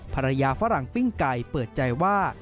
ภรรยาฝรั่งปิ้งไก่เปิดใจว่า